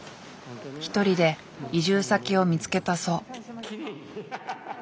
一人で移住先を見つけたそう。